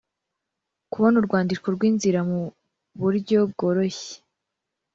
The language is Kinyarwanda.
kubona urwandiko rw inzira mu buryo bworoshye